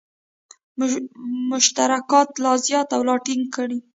مشترکات لا زیات او لا ټینګ کړي.